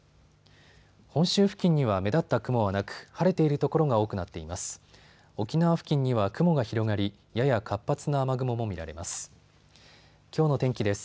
本州付近には目立った雲はなく晴れている所が多くなっています。